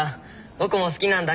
僕も好きなんだ